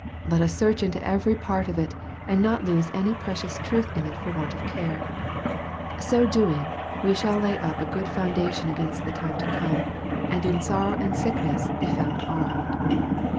Let us search into every part of Jt. and not lose any precious truth in it for want of care, be doing, we shall lay up a good foundation against tho time to come, and in sorrow and sickness be found armed.